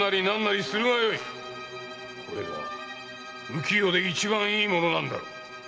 これが浮き世で一番いいものなんだろう？